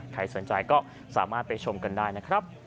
ใครสนใจก็สามารถไปชมกันได้นะครับ